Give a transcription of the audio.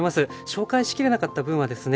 紹介しきれなかった分はですね